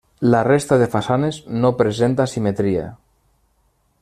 La resta de façanes no presenta simetria.